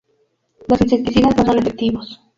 Los insecticidas no son efectivos.